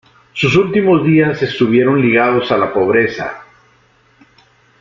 Sus últimos días estuvieron ligados a la pobreza.